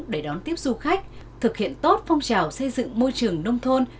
để đón tiếp du khách thực hiện tốt phong trào xây dựng môi trường nông thôn